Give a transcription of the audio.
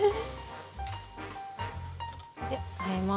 であえます。